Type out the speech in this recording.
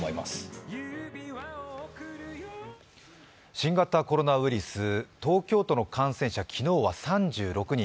新型コロナウイルス東京都の感染者、昨日は３６人。